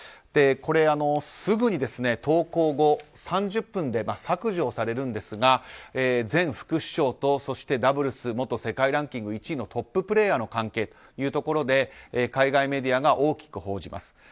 これ、すぐに投稿後３０分で削除されるんですが前副首相とダブルス元世界ランキング１位のトッププレーヤーの関係というところで海外メディアが大きく報じます。